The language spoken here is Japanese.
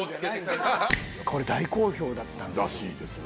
これ大好評だったんですよ。